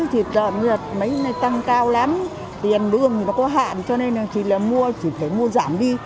thịt lợn mấy ngày tăng cao lắm tiền đường nó có hạn cho nên chỉ là mua chỉ phải mua giảm đi